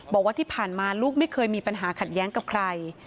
บอกว่าที่ผ่านมาลูกไม่เคยมีปัญหาขัดแย้งกับใคร